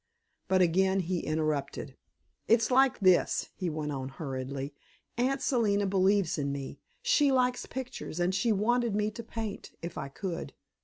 But again he interrupted. "It's like this," he went on hurriedly. "Aunt Selina believes in me. She likes pictures, and she wanted me to paint, if I could.